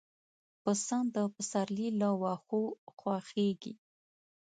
پسه د پسرلي له واښو خوښيږي.